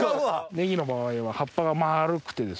ねぎの場合は葉っぱがまるくてですね